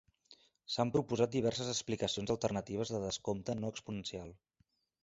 S'han proposat diverses explicacions alternatives de descompte no exponencial.